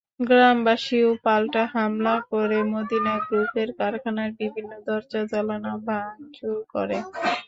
গ্রামবাসীও পাল্টা হামলা করে মদিনা গ্রুপের কারখানার বিভিন্ন দরজা-জানালা ভাঙচুর করে।